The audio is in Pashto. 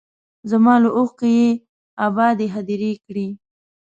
زما له اوښکو یې ابادې هدیرې کړې